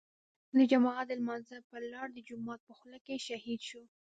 د جماعت د لمانځه پر لار د جومات په خوله کې شهيد شو.